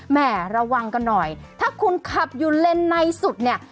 แม่ระวังกันหน่อยถ้าคุณขับอยู่เลนในสุดเนี่ย